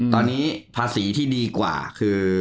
ตอนนี้ภาษีที่ดีกว่าคือ